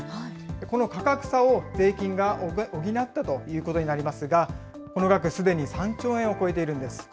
この価格差を税金が補ったということになりますが、この額すでに３兆円を超えているんです。